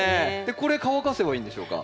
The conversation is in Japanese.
これ乾かせばいいんでしょうか？